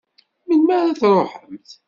Melmi ara tṛuḥemt?